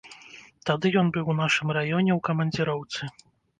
Тады ён быў у нашым раёне ў камандзіроўцы.